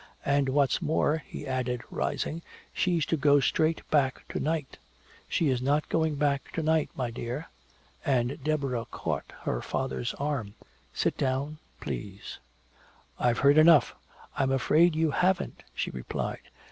And what's more," he added, rising, "she's to go straight back to night!" "She is not going back to night, my dear." And Deborah caught her father's arm. "Sit down, please " "I've heard enough!" "I'm afraid you haven't," she replied.